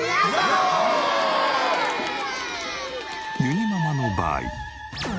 ゆにママの場合。